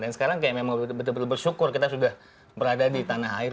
dan sekarang kayak memang betul betul bersyukur kita sudah berada di tanah air